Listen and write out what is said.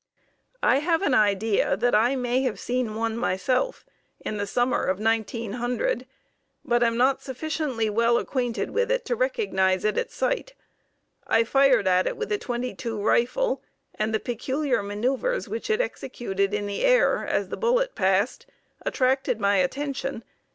I have an idea that I may have seen one myself in the summer of 1900, but am not sufficiently well acquainted with it to recognize it at sight. I fired at it with a .22 rifle, and the peculiar maneuvers which it executed in the air as the bullet passed, attracted my attention.